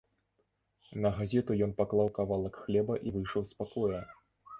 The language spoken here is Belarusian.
На газету ён паклаў кавалак хлеба і выйшаў з пакоя.